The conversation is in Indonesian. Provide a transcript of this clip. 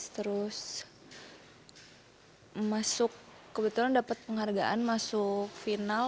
terus masuk kebetulan dapat penghargaan masuk final